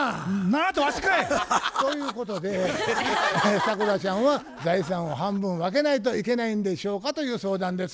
てわしかい！ということでサクラちゃんは財産を半分分けないといけないんでしょうかという相談です。